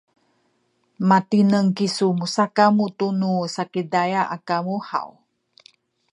matineng kisu musakamu tunu Sakizaya a kamu haw?